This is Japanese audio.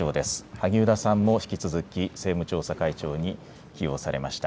萩生田さんも引き続き、政務調査会長に起用されました。